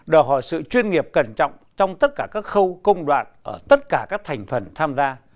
đòi hỏi sự chuyên nghiệp cẩn trọng trong tất cả các khâu công đoạn ở tất cả các thành phần tham gia